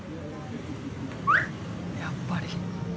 やっぱり。